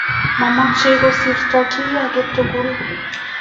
Mamoche kosirto kiy age tugul.